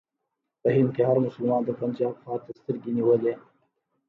په هند کې هر مسلمان د پنجاب خواته سترګې نیولې.